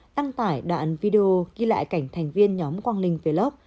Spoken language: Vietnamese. đăng tải đoạn video ghi lại cảnh thành viên nhóm quang linh vlog